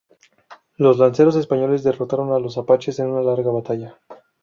Los lanceros españoles derrotaron a los apaches en una larga batalla.